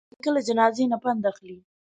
نیکه له جنازې نه پند اخلي.